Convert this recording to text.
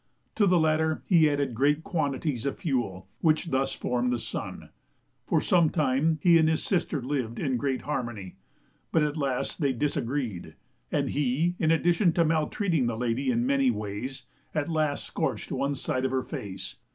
To the latter he added great quantities of fuel, which thus formed the sun. For some time he and his sister lived in great harmony, but at last they disagreed, and he, in addition to maltreating the lady in many ways, at last scorched one side of her face.